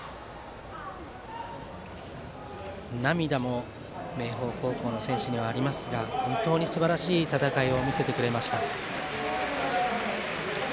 涙も明豊高校の選手にありますが本当にすばらしい戦いを見せてくれました。